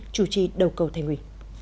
chủ trì đầu cầu thành hủy